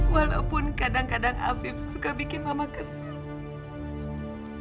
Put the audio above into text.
walaupun kadang kadang afif suka bikin mama kesil